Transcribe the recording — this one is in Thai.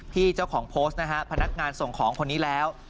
เจ้าของโพสต์นะฮะพนักงานส่งของคนนี้แล้ว